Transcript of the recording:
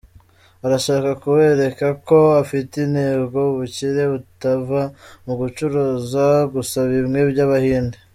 Arashaka kubereka ko afite intego, ubukire butava mu gucuruza gusa bimwe by’Abahinde !